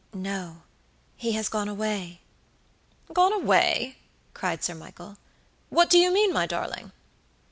"No, he has gone away." "Gone away!" cried Sir Michael. "What do you mean, my darling?"